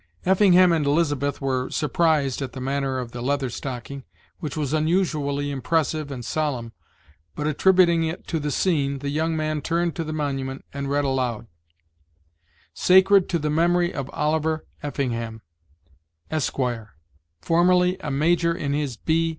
Effingham and Elizabeth were surprised at the manner of the Leather Stocking, which was unusually impressive and solemn; but, attributing it to the scene, the young man turned to the monument, and read aloud: "Sacred to the memory of Oliver Effingham Esquire, formally a Major in his B.